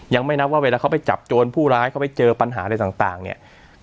ยังไม่นับว่าเวลาเขาไปจับโจรผู้ร้ายเขาไปเจอปัญหาอะไรต่างเนี่ย